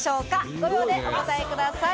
５秒でお答えください。